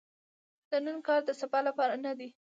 د نن کار د سبا لپاره نه دي .